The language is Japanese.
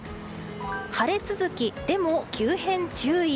晴れ続き、でも急変注意。